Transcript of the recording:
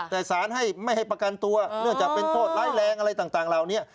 แต่สารให้ไม่ให้ประกันตัวเนื่องจากเป็นโทษร้ายแรงอะไรต่างเหล่านี้